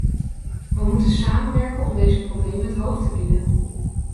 We moeten samenwerken om onze problemen het hoofd te bieden.